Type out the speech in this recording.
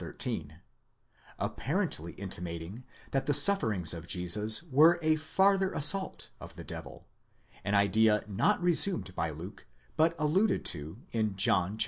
13), apparently intimating that the sufferings of Jesus were a farther assault of the devil ; an idea not resumed by Luke, but alluded to in John xiv.